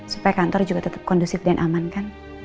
supaya kantor juga tetap kondusif dan aman kan